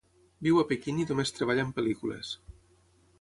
Viu a Pequín i només treballa amb pel·lícules.